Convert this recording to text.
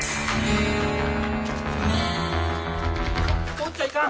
通っちゃいかん！